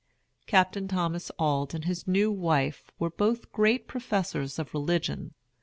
Captain Thomas Auld and his new wife were both great professors of religion.